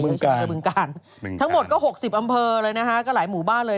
บึงกาลทั้งหมดก็๖๐อำเภอเลยนะฮะก็หลายหมู่บ้านเลย